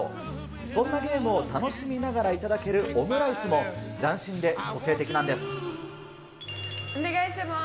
そんなゲームを楽しみながら頂けるオムライスも、斬新で個性的なお願いします。